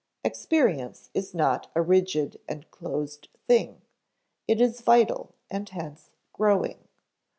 Experience is not a rigid and closed thing; it is vital, and hence growing.